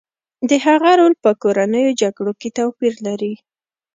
د هغه رول په کورنیو جګړو کې توپیر لري